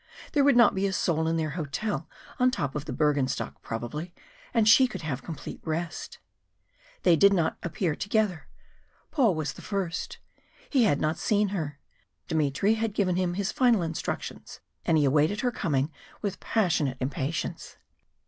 There would not be a soul in their hotel on top of the Bürgenstock probably, and she could have complete rest. They did not arrive together, Paul was the first. He had not seen her. Dmitry had given him his final instructions, and he awaited her coming with passionate impatience.